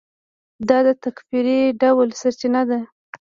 دا د تکفیري ډلو سرچینه ده.